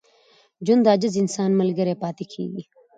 ژوند د عاجز انسان ملګری پاتې کېږي.